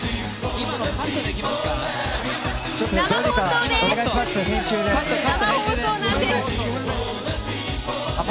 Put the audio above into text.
今のカットできませんかね？